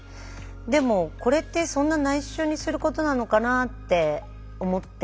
でもこれってそんなないしょにすることなのかなって思って。